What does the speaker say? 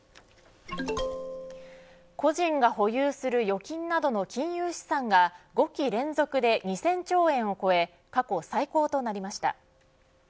個人が保有する預金などの金融資産が５期連続で２０００兆円を超え過去最高となりました。